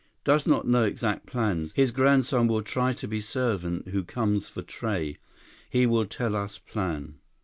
"Does not know exact plans. His grandson will try to be servant who comes for tray. He will tell us plan."